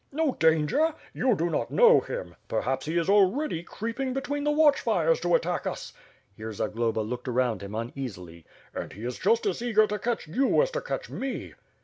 "No danger? You do not know him. Perhaps he is already creeping between the watch fires to attack us." Here Zag loba looked around him uneasily. "And he is just as eager to catch you as to catch me."